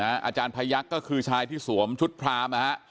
อาจารย์พยักษ์ก็คือชายที่สวมชุดพรามนะฮะ